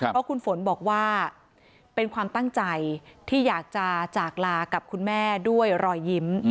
เพราะคุณฝนบอกว่าเป็นความตั้งใจที่อยากจะจากลากับคุณแม่ด้วยรอยยิ้ม